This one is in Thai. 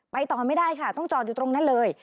ต่อไม่ได้ค่ะต้องจอดอยู่ตรงนั้นเลย